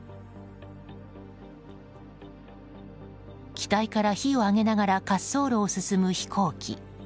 機体から火を上げながら滑走路を進む飛行機。